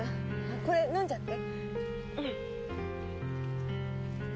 これ飲んじゃって。